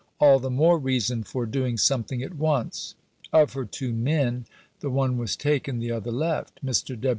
All the more reason for doing something at once." Of her two "men," the one was taken, the other left. Mr.